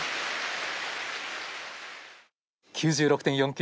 ９６点４９。